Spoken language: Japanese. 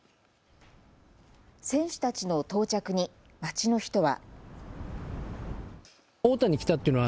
選手たちの到着に街の人は。